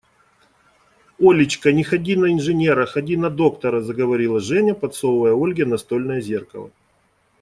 Олечка, не ходи на инженера, ходи на доктора, – заговорила Женя, подсовывая Ольге настольное зеркало.